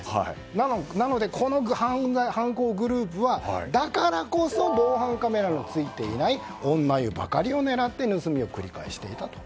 なので、この犯行グループはだからこそ防犯カメラのついていない女湯ばかりを狙って盗みを繰り返していたと。